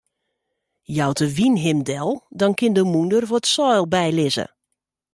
Jout de wyn him del, dan kin de mûnder wat seil bylizze.